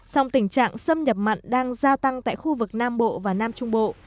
song tình trạng xâm nhập mặn đang gia tăng tại khu vực nam bộ và nam trung bộ